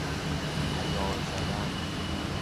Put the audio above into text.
عیار زدن